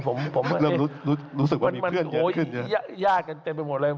ผมผมเริ่มรู้รู้สึกว่ามีเพื่อนเยอะขึ้นโอ้ยยาดกันเต็มไปหมดเลย